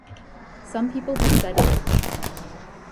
Some people have said rich.